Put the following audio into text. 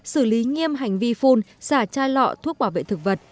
xử lý nghiêm hành vi phun xả chai lọ thuốc bảo vệ thực vật